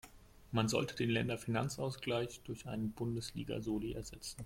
Man sollte den Länderfinanzausgleich durch einen Bundesliga-Soli ersetzen.